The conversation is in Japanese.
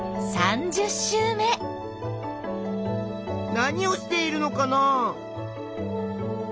何をしているのかな？